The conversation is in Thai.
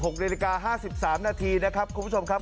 ๑๖น๕๓นนะครับคุณผู้ชมครับ